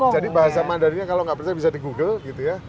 jadi bahasa mandarinnya kalau nggak percaya bisa di google gitu ya